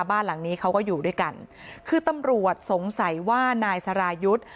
บ้านหลังนี้เขาก็อยู่ด้วยกันคือตำรวจสงสัยว่านายสรายุทธ์